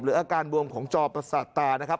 อาการบวมของจอประสาทตานะครับ